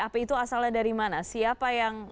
api itu asalnya dari mana siapa yang